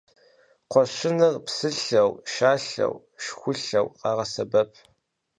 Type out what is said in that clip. Кхъуэщыныр псылъэу, шалъэу, шхулъэу къагъэсэбэп.